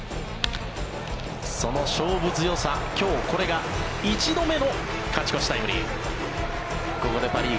その勝負強さ、今日これが１度目の勝ち越しタイムリー。